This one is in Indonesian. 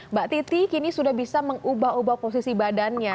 mbak titi kini sudah bisa mengubah ubah posisi badannya